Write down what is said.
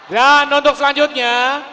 dan untuk selanjutnya